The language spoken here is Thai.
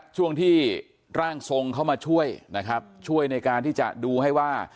ช่วงที่ร่างทรงเข้ามาช่วยนะครับช่วยในการที่จะดูให้ว่า